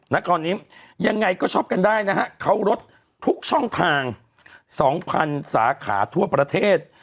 ณตอนนี้ยังไงก็ช็อปกันได้นะฮะเขาลดทุกช่องทาง๒๐๐สาขาทั่วประเทศ